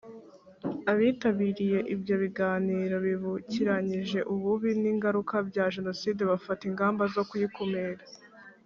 Abitabiriye ibyo biganiro bibukiranyije ububi n ingaruka bya Jenoside bafata ingamba zo kuyikumira